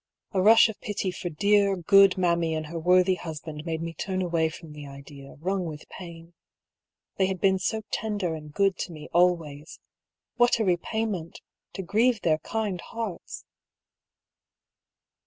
A rush of pity for dear, good Mammy and her worthy husband made me turn away from the idea, wrung with pain. They had been so tender and good to me always. What a repayment — to grieve their kind hearts